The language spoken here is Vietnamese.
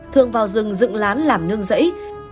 thường vào rừng dựng lán làm nương rẫy